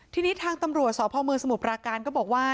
ที่นี่ทางตำรวจสอบภาคมือสมุทรปราการก็บอกว่า